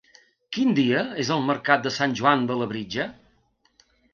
Quin dia és el mercat de Sant Joan de Labritja?